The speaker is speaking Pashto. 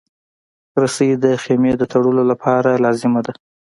رسۍ د خېمې د تړلو لپاره لازمه ده.